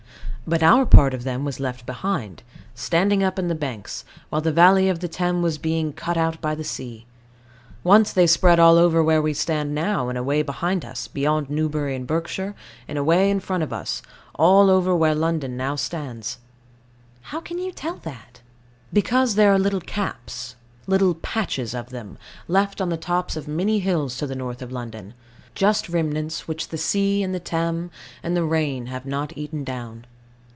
But our part of them was left behind, standing up in banks, while the valley of the Thames was being cut out by the sea. Once they spread all over where we stand now, and away behind us beyond Newbury in Berkshire, and away in front of us, all over where London now stands. How can you tell that? Because there are little caps little patches of them left on the tops of many hills to the north of London; just remnants which the sea, and the Thames, and the rain have not eaten down.